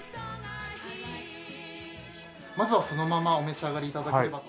まずはそのままお召し上がり頂ければと。